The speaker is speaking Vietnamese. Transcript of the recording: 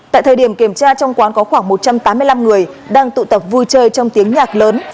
tại thời điểm kiểm tra trong quán có khoảng một trăm tám mươi năm người đang tụ tập vui chơi trong tiếng nhạc lớn